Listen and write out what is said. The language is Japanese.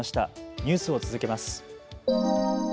ニュースを続けます。